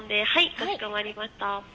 かしこまりました。